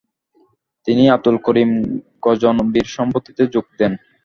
তিনি আবদুল করিম গজনভির সম্পত্তিতে যোগ দেন।